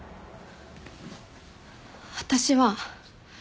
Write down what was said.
私は。